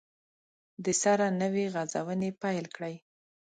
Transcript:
دسره نوي غزونې پیل کړي